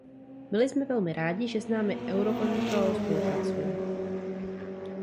Byli jsme velmi rádi, že s námi Eurocontrol spolupracuje.